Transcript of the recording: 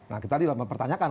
nah kita dipertanyakan